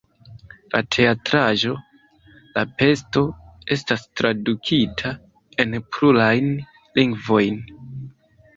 La teatraĵo "La Pesto" estas tradukita en plurajn lingvojn.